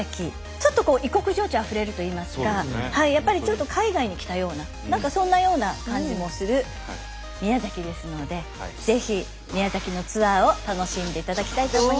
ちょっとこう異国情緒あふれるといいますかやっぱりちょっと海外に来たような何かそんなような感じもする宮崎ですのでぜひ宮崎のツアーを楽しんでいただきたいと思います。